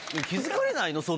気付かれないの？